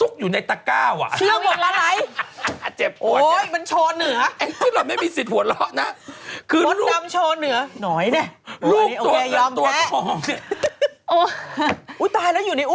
ของพี่ไปตัวเงินตัวทองอะอะ